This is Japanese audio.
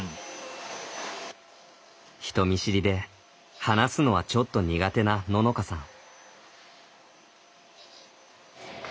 人見知りで話すのはちょっと苦手なののかさん。